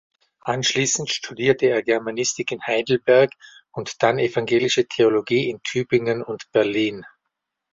Anschließend studierte er Germanistik in Heidelberg und dann Evangelische Theologie in Tübingen und Berlin.